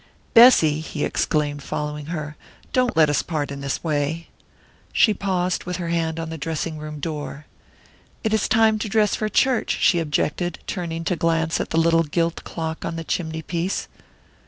"Bessy," he exclaimed, following her, "don't let us part in this way " She paused with her hand on her dressing room door. "It is time to dress for church," she objected, turning to glance at the little gilt clock on the chimney piece.